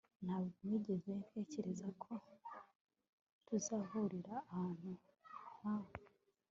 Ntabwo nigeze ntekereza ko tuzahurira ahantu nkaha